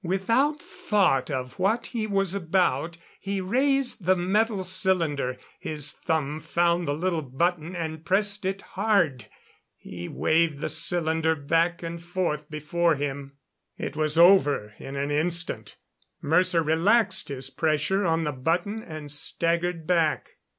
Without thought of what he was about, he raised the metal cylinder; his thumb found the little button and pressed it hard; he waved the cylinder back and forth before him. It was over in an instant. Mercer relaxed his pressure on the button and staggered back.